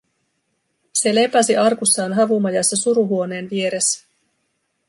Se lepäsi arkussaan havumajassa suruhuoneen vieressä.